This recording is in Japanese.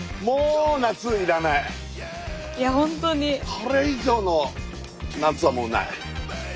これ以上の夏はもうない。